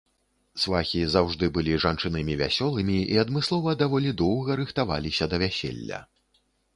Свахі заўжды былі жанчынамі вясёлымі і адмыслова даволі доўга рыхтаваліся да вяселля.